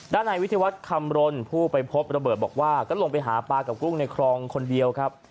ด้านในวิทยาวัฒน์คำรณผู้ไปพบระเบิดบอกว่าก็ลงไปหาปลากับกุ้งในคลองคนเดียวครับ